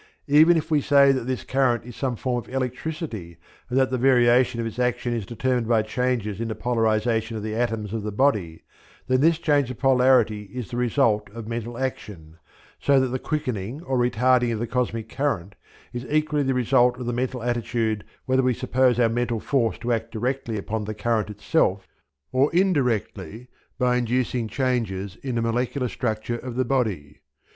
Even if we say that this current is some form of electricity, and that the variation of its action is determined by changes in the polarization of the atoms of the body, then this change of polarity is the result of mental action; so that the quickening or retarding of the cosmic current is equally the result of the mental attitude whether we suppose our mental force to act directly upon the current itself or indirectly by inducing changes in the molecular structure of the body.